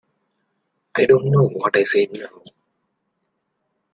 I don't know what I said now.